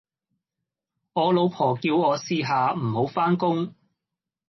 我老婆叫我試下唔好返工